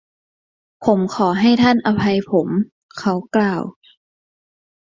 “ผมขอให้ท่านอภัยผม” เขากล่าว